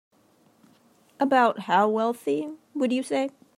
About how wealthy would you say?